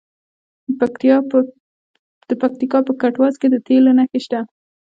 د پکتیکا په کټواز کې د تیلو نښې شته.